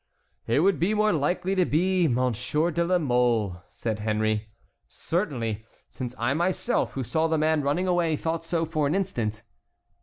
"It would be more likely to be Monsieur de la Mole," said Henry. "Certainly, since I myself, who saw the man running away, thought so for an instant."